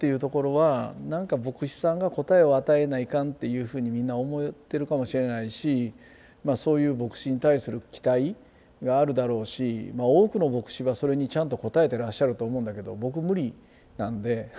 いうふうにみんな思ってるかもしれないしそういう牧師に対する期待があるだろうし多くの牧師はそれにちゃんと応えてらっしゃると思うんだけど僕無理なんで。